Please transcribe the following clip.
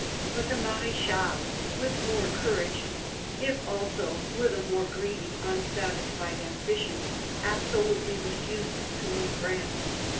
But the Marechale, with more courage, if also with a more greedy, unsatisfied ambition, absolutely refused to leave France.